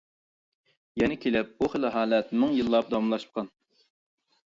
يەنە كېلىپ بۇ خىل ھالەت مىڭ يىللاپ داۋاملاشقان.